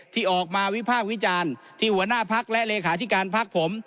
ที่ออกมาวิภาควิจารณ์ที่หัวหน้าพักและเลขาธิการพักผม